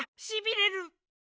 しびれる！